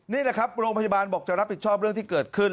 นี่แหละครับโรงพยาบาลบอกจะรับผิดชอบเรื่องที่เกิดขึ้น